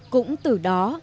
cũng từ đó